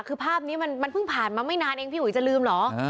คือภาพนี้มันเพิ่งผ่านมาไม่นานเองพี่อุ๋ยจะลืมเหรอ